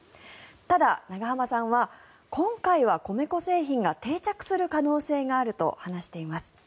ただ、永濱さんは今回は米粉製品が定着する可能性があると話しています。